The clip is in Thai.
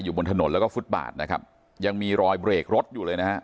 บนถนนแล้วก็ฟุตบาทนะครับยังมีรอยเบรกรถอยู่เลยนะฮะ